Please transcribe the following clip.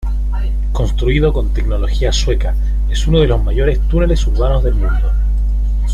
Construido con tecnología sueca, es uno de los mayores túneles urbanos del mundo.